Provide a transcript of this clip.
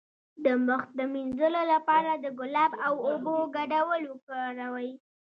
د مخ د مینځلو لپاره د ګلاب او اوبو ګډول وکاروئ